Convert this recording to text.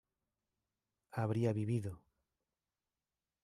habría vivido